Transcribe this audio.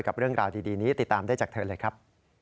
เรื่องราวดีนี้ติดตามได้จากเธอเลยครับ